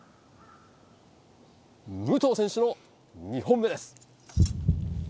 武藤選手の２本目です。